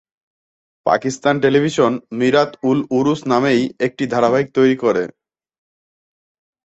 Pakistan television Mirat ul Uroos নামেই একটি ধারাবাহিক তৈরি করে।